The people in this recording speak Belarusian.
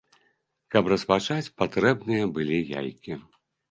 Каб распачаць, патрэбныя былі яйкі.